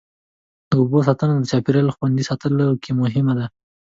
د اوبو ساتنه د چاپېریال خوندي ساتلو کې مهمه ده.